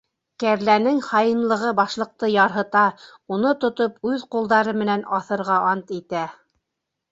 Кәрләнең хаинлығы башлыҡты ярһыта, уны тотоп, үҙ ҡулдары менән аҫырға ант итә.